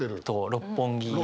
六本木。